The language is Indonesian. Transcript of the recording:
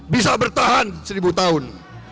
bisa bertahan seribu tahun